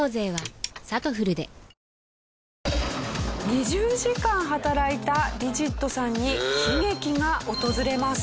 ２０時間働いたＤｉｇｉｔさんに悲劇が訪れます。